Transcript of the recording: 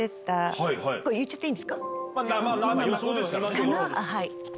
はい。